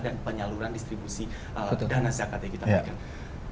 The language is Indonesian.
dan penyaluran distribusi dana zakat yang kita ambilkan